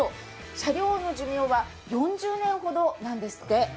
車両の寿命は４０年程ですって。